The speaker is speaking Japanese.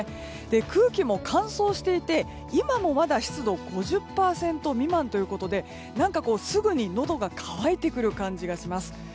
空気も乾燥していて今もまだ湿度、５０％未満ということですぐに、のどが渇いてくる感じがします。